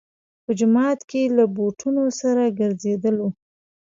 په جومات کې له بوټونو سره ګرځېدلو.